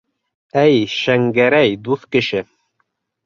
Әй Шәңгәрәй, дуҫ кеше!